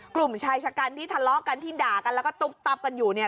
กลุ่มชายชะกันที่ทะเลาะกันที่ด่ากันแล้วก็ตุ๊บตับกันอยู่เนี่ย